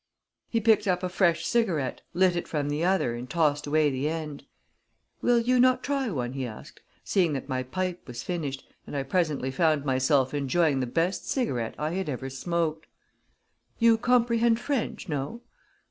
He picked up a fresh cigarette, lit it from the other, and tossed away the end. "Will you not try one?" he asked, seeing that my pipe was finished, and I presently found myself enjoying the best cigarette I had ever smoked. "You comprehend French no?"